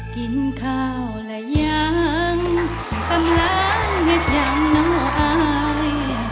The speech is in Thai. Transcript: กินข้าวแล้วยังตำลังเงียบยังหน่อย